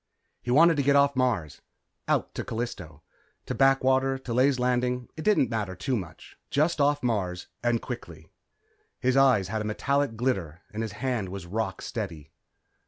He wanted to get off Mars out to Callisto. To Blackwater, to Ley's Landing, it didn't matter too much. Just off Mars, and quickly. His eyes had a metallic glitter and his hand was rock steady.